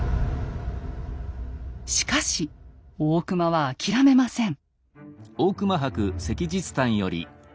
しかし大隈は諦めません。